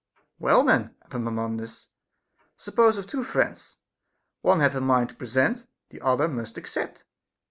Well then, Epaminondas, suppose of two friends, one hath a mind to present, the other must accept.